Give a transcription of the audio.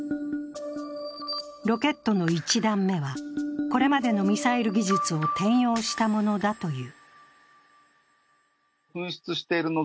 ロケットの一段目は、これまでのミサイル技術を転用したものだという。